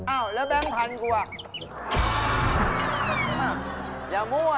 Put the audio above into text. อ้าวแล้วแบงค์พันธุ์ของกูล่ะ